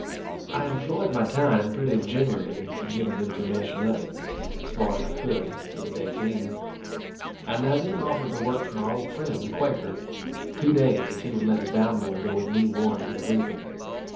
I employed my time pretty generally in giving information of it, as far as I could, until the day came; and I then offered to work for my old friend, the Quaker, two days, if he would let his bound boy go with me one to the reaping.